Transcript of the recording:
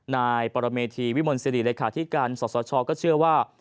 นายปรเมธีวิมนศิริริรายคาที่กรรมสชก็เชื่อว่า